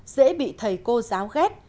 sẽ bị thầy cô giáo ghét